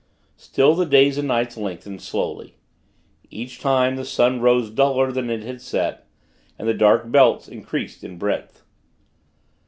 Still, the days and nights lengthened, slowly. Each time, the sun rose duller than it had set. And the dark belts increased in breadth.